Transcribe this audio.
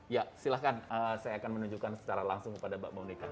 ya silahkan saya akan menunjukkan secara langsung kepada mbak monika